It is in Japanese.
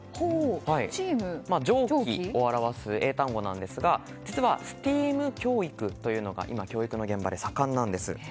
蒸気を表す英単語なんですが実はＳＴＥＡＭ教育というのが今、教育の現場で盛んなんです。